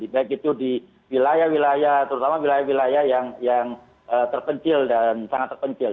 baik itu di wilayah wilayah terutama wilayah wilayah yang terpencil dan sangat terpencil